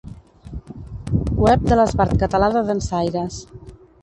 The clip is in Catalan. Web de l'Esbart Català de Dansaires.